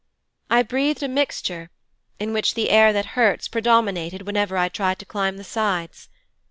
I breathed a mixture, in which the air that hurts predominated whenever I tried to climb the sides.